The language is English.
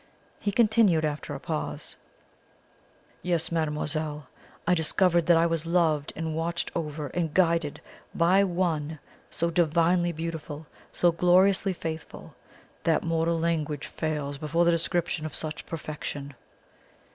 He continued after a pause: "Yes, mademoiselle, I discovered that I was loved, and watched over and guided by ONE so divinely beautiful, so gloriously faithful, that mortal language fails before the description of such perfection!"